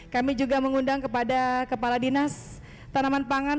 kami juga mengundang kepada kepala dinas tanaman pangan